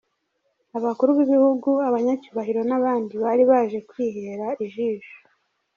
Abakuru b’Ibihugu, Abanyacyubahiro n’abandi bari baje kwireha ijisho.